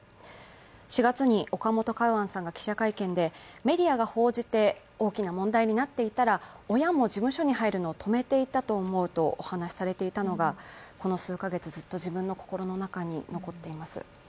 ４月に岡本カウアンさんが記者会見でメディアが報じて大きな問題になっていたら親も事務所に入るのを止めていたと思うと話されていたのがお話しされていたのがこの数か月、ずっと自分の心の中に残っています。